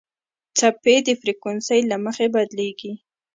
څپې د فریکونسۍ له مخې بدلېږي.